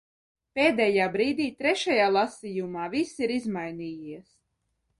Pēdējā brīdī, trešajā lasījumā, viss ir izmainījies.